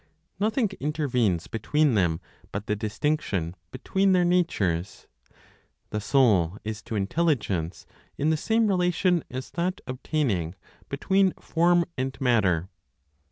Nothing intervenes between them but the distinction between their natures. The Soul is to Intelligence in the same relation as that obtaining between form and matter.